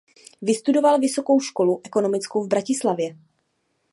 Vystudoval Vysokou školu ekonomickou v Bratislavě.